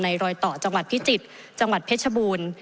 รอยต่อจังหวัดพิจิตรจังหวัดเพชรบูรณ์